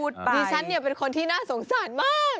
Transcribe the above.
ดิฉันเป็นคนที่น่าสงสารมาก